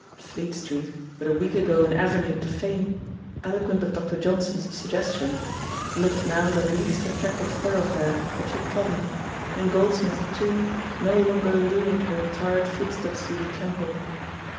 Fleet Street, but a week ago an avenue to fame, elo quent of Dr. Johnson's suggestion, looked now the least attractive thoroughfare that she had trodden, and Groldsmith's tomb no longer lured her tired footsteps to the Temple.